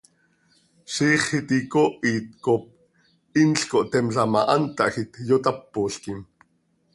Ziix iti icoohit cop inl cöiteemla ma, hant tahjiit, yotápolquim.